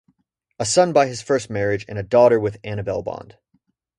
A son by his first marriage and a daughter with Annabelle Bond.